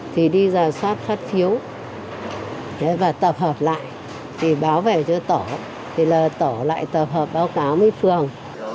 thì đi ra soát phát phiếu và tập hợp lại thì báo về cho tổ thì tổ lại tập hợp báo cáo mới phường